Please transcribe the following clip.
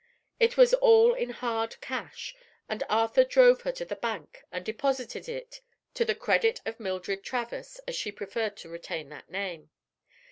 It was all in hard cash and Arthur drove over to the bank and deposited it to the credit of Mildred Travers, as she preferred to retain that name.